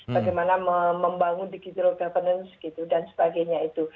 bagaimana membangun digital governance gitu dan sebagainya itu